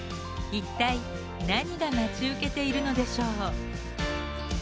一体何が待ち受けているのでしょう？